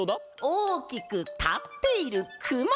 おおきくたっているくま！